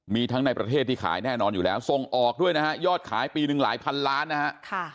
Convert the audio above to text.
มีทั้งในประเทศที่ขายแน่นอนอยู่แล้วส่งออกด้วยนะฮะยอดขายปีหนึ่งหลายพันล้านนะฮะ